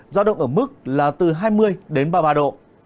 giao động ở mức là từ hai mươi đến ba mươi ba độ